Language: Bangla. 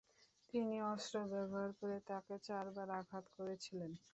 তিনি অস্ত্র ব্যবহার করে তাকে চারবার আঘাত করেছিলেন।